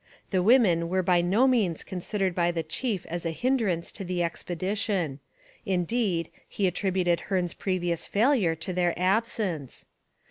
The women were by no means considered by the chief as a hindrance to the expedition. Indeed, he attributed Hearne's previous failure to their absence.